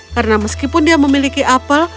karena meskipun dia memiliki apel